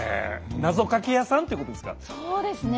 なぞかけ屋さんってことですか。